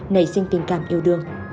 nảy sinh tình cảm yêu đương